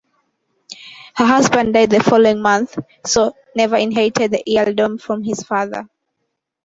Her husband died the following month, so never inherited the earldom from his father.